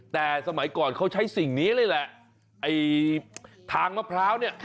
แต่สมัยก่อนเขาใช้สิ่งนี้เลยแหละไอ้ทางมะพร้าวเนี่ย